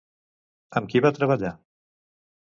Amb qui va treballar?